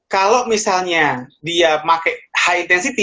kalau misalnya dia pakai high intensity